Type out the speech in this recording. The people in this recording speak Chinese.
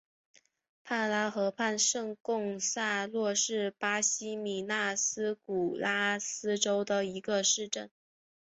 帕拉河畔圣贡萨洛是巴西米纳斯吉拉斯州的一个市镇。